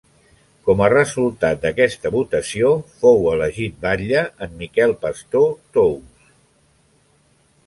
Com a resultat d'aquesta votació fou elegit batlle en Miquel Pastor Tous.